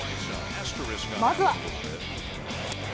まずは。